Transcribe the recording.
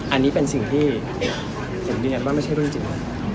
อันนี้เป็นสิ่งที่ผมยืนยันว่าไม่ใช่เรื่องจริง